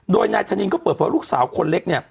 โดยนายธนินก็เปิดเพราะลูกสาวคนเล็กเนี่ย